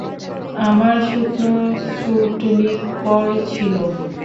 আমার শুকনো suit leak করছিলো।